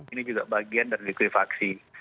ini juga bagian dari likuifaksi